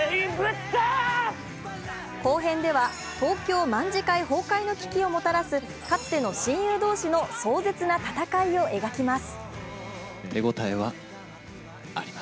後編では東京卍會崩壊の危機をもたらすかつての親友同士の壮絶な戦いを描きます。